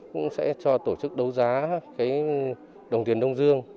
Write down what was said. cũng sẽ cho tổ chức đấu giá cái đồng tiền đông dương